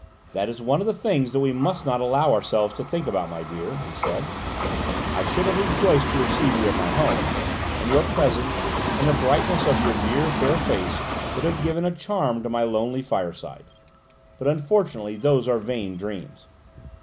"That is one of the things that we must not allow ourselves to think about, my dear," he said. "I should have rejoiced to receive you in my home, and your presence, and the brightness of your dear fair face would have given a charm to my lonely fireside; but unfortunately those are vain dreams.